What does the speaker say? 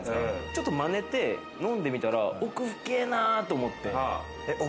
ちょっとまねて飲んでみたら、奥深ぇなと思って。